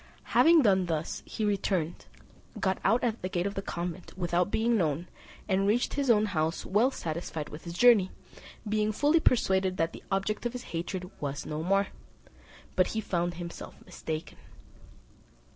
Having done thus, he returned, got out at the gate of the convent without being known, and reached his own house well satisfied with his journey, being fully persuaded that the object of his hatred was no more; but he found himself mistaken.